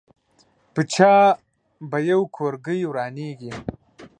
په چا به یو کورګۍ ورانېږي.